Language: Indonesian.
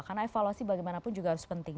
karena evaluasi bagaimanapun juga harus penting